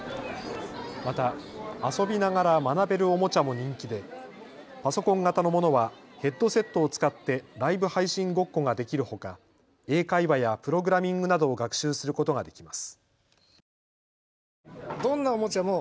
また遊びながら学べるおもちゃも人気でパソコン型のものはヘッドセットを使ってライブ配信ごっこができるほか、英会話やプログラミングなどを学習することができます。